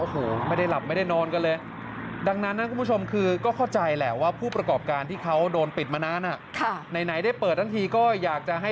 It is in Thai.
กำลังเรียนก็เลยกลายเป็นเด็กนอนเด็กไปด้วยค่ะ